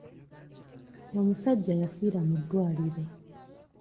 Omusajja yafiira mu ddwaliro.